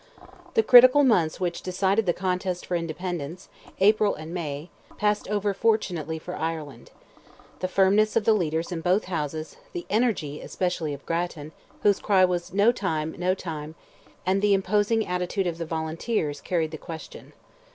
The critical months which decided the contest for independence—April and May—passed over fortunately for Ireland. The firmness of the leaders in both Houses, the energy especially of Grattan, whose cry was "No time, no time!" and the imposing attitude of the volunteers, carried the question.